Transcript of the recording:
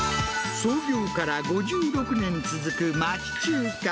創業から５６年続く町中華。